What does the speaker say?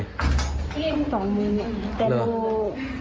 ก็ต้องบีบแต่ดู